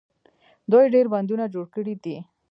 دوی ډیر بندونه جوړ کړي دي.